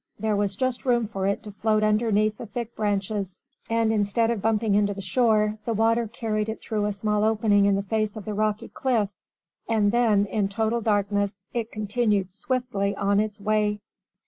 There was just room for it to float underneath the thick branches, and instead of bumping into the shore, the water carried it through a small opening in the face of the rocky cliff, and then, in total darkness, it continued swiftly on its way!